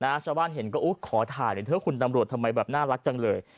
นะฮะชาวบ้านเห็นก็อู้ขอถ่ายเลยเพราะคุณตำรวจทำไมแบบน่ารักจังเลย